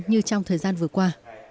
như trong thời gian vừa qua